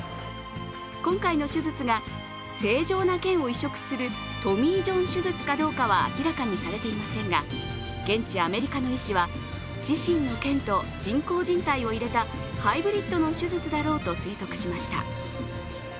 今回の手術が正常なけんを移植するトミー・ジョン手術かどうかは明らかにされていませんが、現地アメリカの医師は、自身のけんと人工じん帯を入れたハイブリットの手術だろうと推測しました。